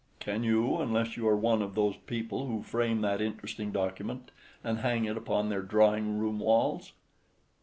Can you—unless you are one of those people who frame that interesting document and hang it upon their drawing room walls?